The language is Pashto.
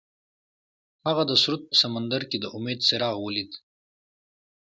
هغه د سرود په سمندر کې د امید څراغ ولید.